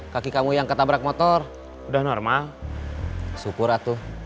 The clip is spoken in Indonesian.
kaki kamu yang ketabrak motor udah normal suku ratuh waktu itu aku mau ke rumah susik